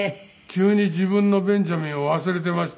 急に自分のベンジャミンを忘れていましたよ。